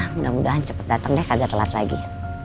mudah mudahan cepet dateng deh kagak telat lagi